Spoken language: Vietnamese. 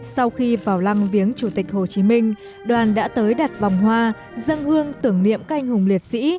sau khi vào lăng viếng chủ tịch hồ chí minh đoàn đã tới đặt vòng hoa dân hương tưởng niệm canh hùng liệt sĩ